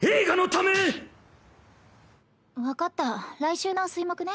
分かった来週の水・木ね。